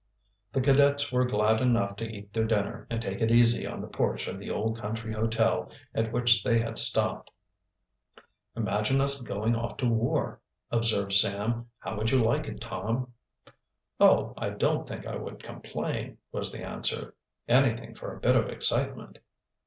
The cadets were glad enough to eat their dinner and take it easy on the porch of the old country hotel at which they had stopped. "Imagine us marching off to war," observed Sam. "How would you like it, Tom"? "Oh, I don't think I would complain," was the answer. "Anything for a bit of excitement."